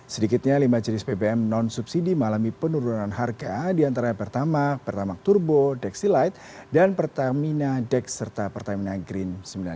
sedikitnya lima jenis bbm non subsidi mengalami penurunan harga di antara pertamak pertamak turbo dexilite dan pertamina dex serta pertamina green sembilan puluh lima